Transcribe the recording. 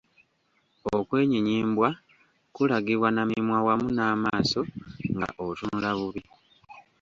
Okwenyinyimbwa kulagibwa na mimwa wamu n’amaaso nga otunula bubi.